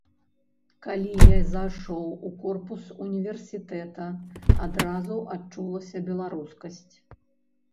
Калі я зайшоў у корпус універсітэта, адразу адчулася беларускасць.